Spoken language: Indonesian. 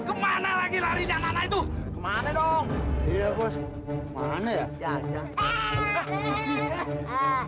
kemana lagi larinya mana itu kemana dong iya gue mana ya